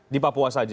di papua saja